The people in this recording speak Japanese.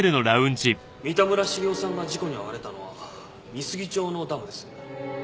三田村重雄さんが事故に遭われたのは美杉町のダムです。